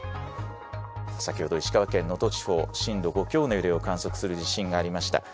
「先ほど石川県能登地方震度５強の揺れを観測する地震がありました。